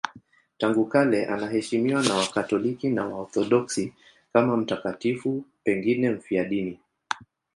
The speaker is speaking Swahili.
Tangu kale anaheshimiwa na Wakatoliki na Waorthodoksi kama mtakatifu, pengine mfiadini.